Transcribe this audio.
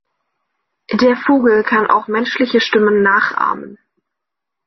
Der Vogel kann auch menschliche Stimmen nachahmen.